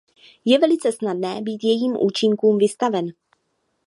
Je velice snadné být jejím účinkům vystaven.